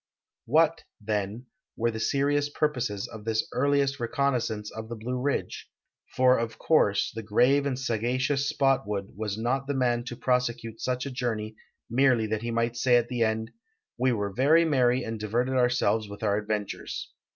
What, then, were the serious purposes of this earliest recon naissance of the Blue Ridge? for, of course, the grave and sa gacious Spottswood was not the man to prosecute such a journey merely that he might say at the end " we were very merry and diverted ourselves with our adventures."